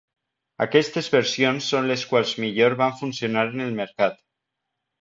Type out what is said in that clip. Aquestes versions són les quals millor van funcionar en el mercat.